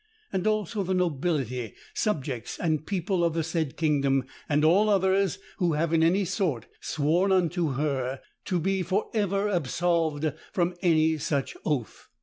And also the nobility, subjects, and people of the said kingdom, and all others, who have in any sort sworn unto her, to be for ever absolved from any such oath.